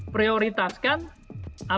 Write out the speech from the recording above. prioritaskan aplikasi yang ada di aplikasi